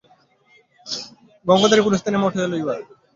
গঙ্গাতীরে কোন স্থানে মঠ উঠাইয়া লইবার জল্পনা হইতেছে।